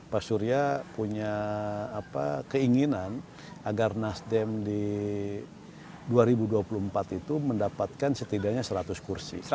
pak surya punya keinginan agar nasdem di dua ribu dua puluh empat itu mendapatkan setidaknya seratus kursi